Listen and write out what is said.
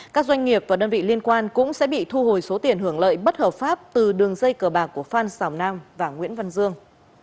các doanh nghiệp và đơn vị liên quan cũng sẽ bị thu hồi số tiền hưởng lợi bất hợp pháp từ đường dây cờ bạc của phan xào nam và nguyễn văn dương